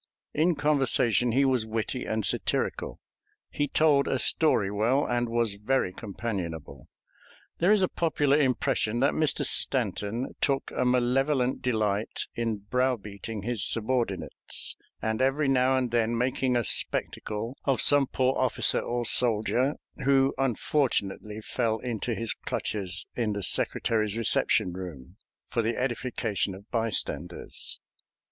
In conversation he was witty and satirical; he told a story well, and was very companionable. There is a popular impression that Mr. Stanton took a malevolent delight in browbeating his subordinates, and every now and then making a spectacle of some poor officer or soldier, who unfortunately fell into his clutches in the Secretary's reception room, for the edification of bystanders.